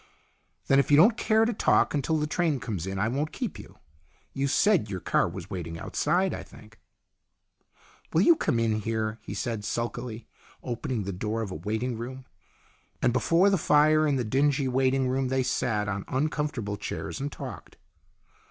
" Then, if you don't care to talk until the train comes in, I won't keep you. You said your car was waiting outside, I think." "Will you come in here?" he said sulkily, opening the door of a waiting room. And before the fire in the dingy waiting room they sat on uncomfortable chairs and talked.